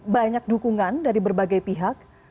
banyak dukungan dari berbagai pihak